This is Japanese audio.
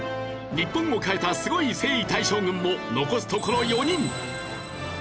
日本を変えたスゴい征夷大将軍も残すところ４人。